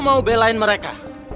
lo mau belain mereka